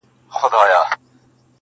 د بېګانه وو مزدوران دي په پیسو راغلي!!